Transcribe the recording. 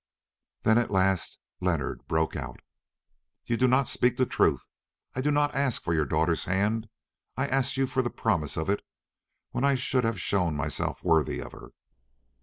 Then at last Leonard broke out. "You do not speak the truth. I did not ask you for your daughter's hand. I asked you for the promise of it when I should have shown myself worthy of her.